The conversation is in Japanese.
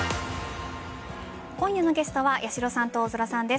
今夜のゲストは八代さんと大空さんです。